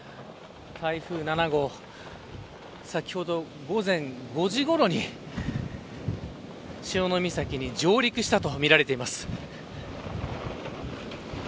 台風７号先ほど午前５時ごろに潮岬に上陸したとみられています。